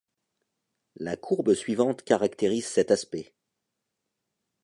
La courbe suivante caractérise cet aspect.